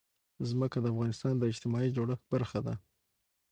ځمکه د افغانستان د اجتماعي جوړښت برخه ده.